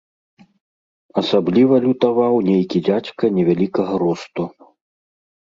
Асабліва лютаваў нейкі дзядзька невялікага росту.